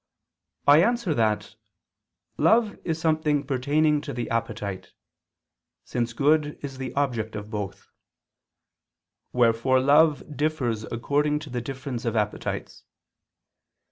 I answer that, Love is something pertaining to the appetite; since good is the object of both. Wherefore love differs according to the difference of appetites.